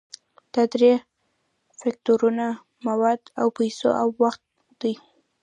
دا درې فکتورونه مواد او پیسې او وخت دي.